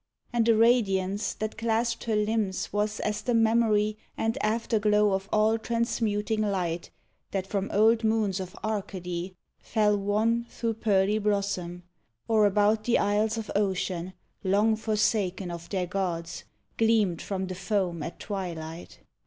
And the radiance That clasped her limbs was as the memory And afterglow of all transmuting light That from old moons of Arcady fell wan in THE SPIRIT OF BEAUTY. Thro' pearly blossom, or about the isles Of ocean, long forsaken of their gods, Gleamed from the foam at twilight.